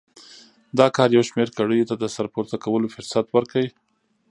دا کار یو شمېر کړیو ته د سر پورته کولو فرصت ورکړ.